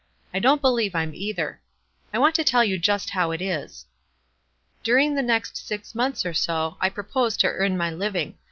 I don't believe I'm either. I want to tell you just how it is. Dur ing the next six months or so, I propose to earn my living.